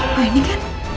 pak ini kan